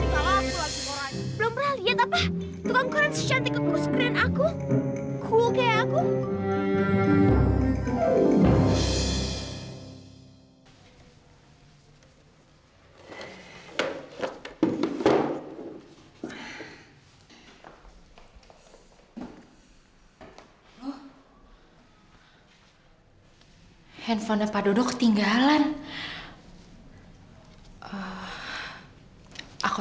belom pernah liat apa tukang koran secantik keku segeren aku